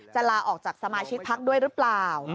ลาออกจากสมาชิกพักด้วยหรือเปล่า